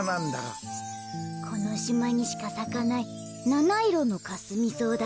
このしまにしかさかないなないろのカスミソウだ